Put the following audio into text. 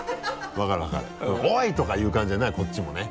分かる分かる「おい！」とか言う感じじゃないこっちもね。